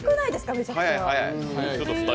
めちゃくちゃ。